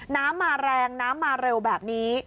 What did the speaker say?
น้ำมาแรงน้ำมาเร็วแบบนี้